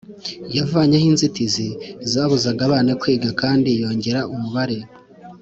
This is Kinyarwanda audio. Yavanyeho inzitizi zabuzaga abana kwiga kandi yongera umubare